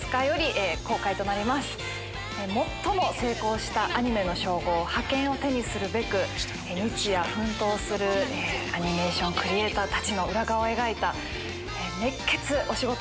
最も成功したアニメの称号覇権を手にするべく日夜奮闘するアニメーションクリエーターたちの裏側を描いた熱血お仕事